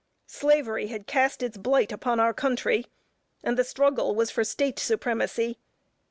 Slavery had cast its blight upon our country, and the struggle was for State supremacy.